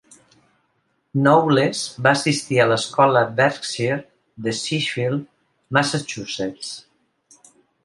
Knowles va assistir a l'escola Berkshire de Sheffield, Massachusetts.